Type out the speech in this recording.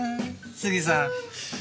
杉さん？